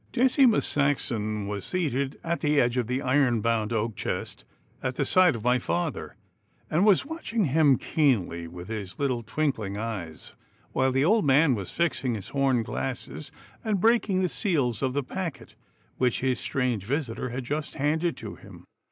Decimus Saxon was seated at the edge of the iron bound oak chest at the side of my father, and was watching him keenly with his little twinkling eyes, while the old man was fixing his horn glasses and breaking the seals of the packet which his strange visitor had just handed to him.